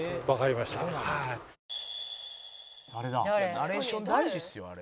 「ナレーションないですよあれ」